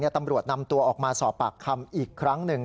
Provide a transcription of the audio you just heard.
ตำรวจนำตัวออกมาสอบปากคำอีกครั้งหนึ่ง